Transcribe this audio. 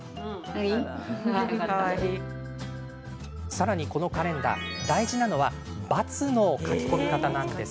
さらに、このカレンダー大事なのは×の書き込み方なんです。